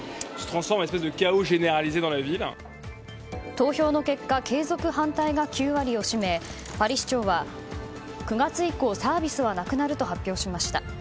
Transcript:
投票の結果継続反対が９割を占めパリ市長は、９月以降サービスはなくなると発表しました。